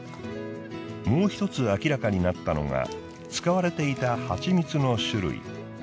もうひとつ明らかになったのが使われていた蜂蜜の種類。